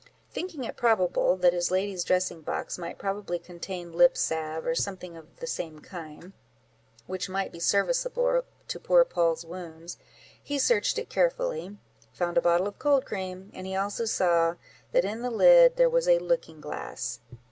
Thinking it probable that his ladies' dressing box might probably contain lip salve, or something of the same kind, which might be serviceable to poor Poll's wounds, he searched it carefully, found a bottle of cold cream, and he also saw that in the lid there was a looking glass.